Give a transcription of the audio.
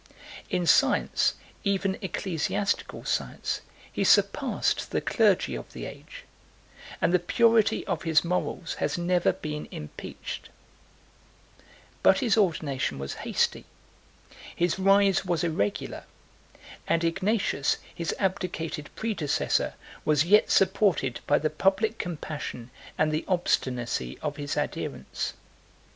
In science, even ecclesiastical science, he surpassed the clergy of the age; and the purity of his morals has never been impeached: but his ordination was hasty, his rise was irregular; and Ignatius, his abdicated predecessor, was yet supported by the public compassion and the obstinacy of his adherents.